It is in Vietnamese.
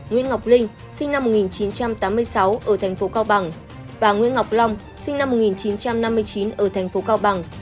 nguyễn ngọc linh sinh năm một nghìn chín trăm tám mươi sáu ở tp cao bằng và nguyễn ngọc long sinh năm một nghìn chín trăm năm mươi chín ở tp cao bằng